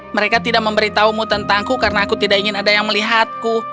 mereka tidak memberitahumu tentangku karena aku tidak ingin ada yang melihatku